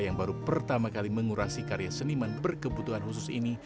yang baru pertama kali mengurasi karya seniman berkebutuhan khusus ini